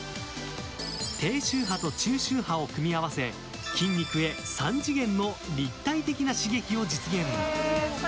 低周波と中周波を組み合わせ筋肉へ３次元の立体的な刺激を実現。